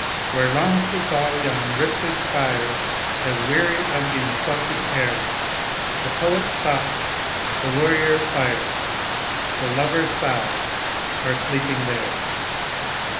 Where longs to fall yon rifted spire, As weary of the insulting air, The poet's thoughts, the warrior's fire, The lover's sighs, are sleeping there.